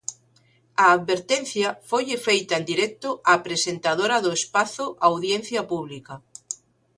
A advertencia foille feita en directo a presentadora do espazo Audiencia Pública.